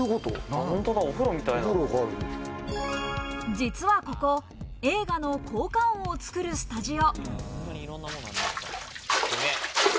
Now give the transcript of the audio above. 実はここ、映画の効果音を作るスタジオ。